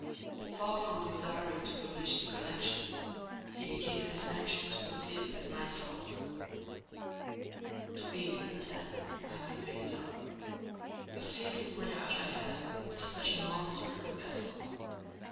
Far from desiring to publish the connection, he became as anxious to conceal it as myself. "To England, then, I conveyed her; a fearful voyage I had with such a monster in the vessel.